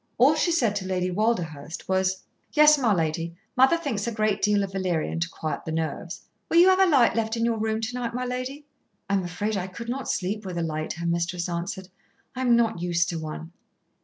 All she said to Lady Walderhurst was: "Yes, my lady, mother thinks a great deal of valerian to quiet the nerves. Will you have a light left in your room to night, my lady?" "I am afraid I could not sleep with a light," her mistress answered. "I am not used to one."